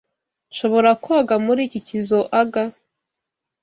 Nshobora koga muri iki kizoaga?